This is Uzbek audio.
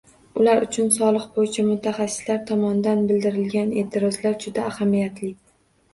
Ular uchun soliq boʻyicha mutaxassislar tomonidan bildirilgan eʼtirozlar juda ahamiyatli.